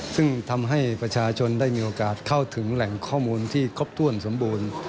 ซึ่งทำให้ประชาชนได้มีโอกาสเข้าถึงแหล่งข้อมูลที่ครบถ้วนสมบูรณ์